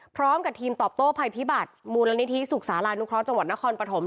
พร้อมกับทีมตอบโต้ภัยพิบัติมูลนิธิสุขศาลานุเคราะห์จังหวัดนครปฐม